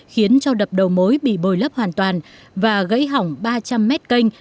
khiến cho đập đầu mối bị bồi lấp hoàn toàn và gãy hỏng ba trăm linh mét canh